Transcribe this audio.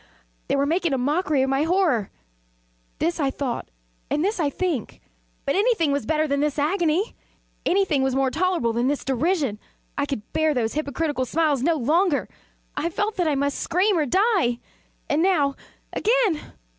they were making a mockery of my horror! this I thought, and this I think. But anything was better than this agony! Anything was more tolerable than this derision! I could bear those hypocritical smiles no longer! I felt that I must scream or die! and now again!